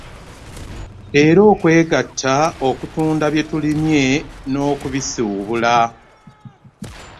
Era okwegatta okutunda bye tulimye n'okubisuubula